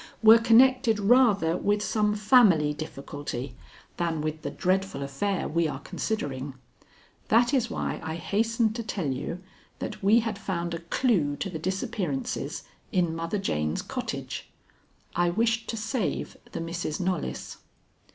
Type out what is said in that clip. "were connected rather with some family difficulty than with the dreadful affair we are considering. That is why I hastened to tell you that we had found a clue to the disappearances in Mother Jane's cottage. I wished to save the Misses Knollys."